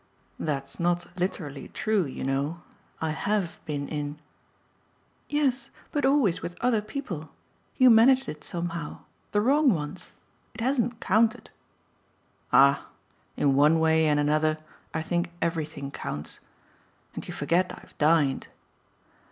"That's not literally true, you know. I HAVE been in." "Yes, but always with other people you managed it somehow; the wrong ones. It hasn't counted." "Ah in one way and another I think everything counts. And you forget I've dined."